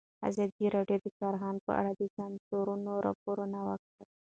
ازادي راډیو د کرهنه په اړه د سیمینارونو راپورونه ورکړي.